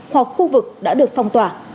hoặc khu vực đã được phong tỏa